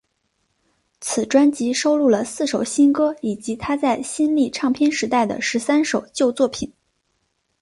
此专辑收录了四首新歌以及她在新力唱片时期的十三首旧作品。